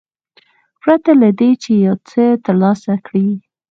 پرته له دې چې یو څه ترلاسه کړي.